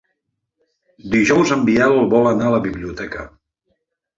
Dijous en Biel vol anar a la biblioteca.